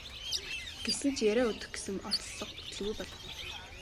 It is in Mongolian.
Гэсэн ч яриа өдөх гэсэн оролдлого бүтэлгүй болов.